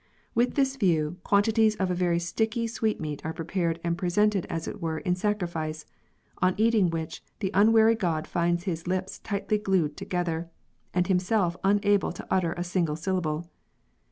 With this view, quantities of a very sticky sweetmeat are prepared and presented as it were in sacrifice, on eating which the unwary god finds his lips tightly glued together, and himself unable to utter a single syllable.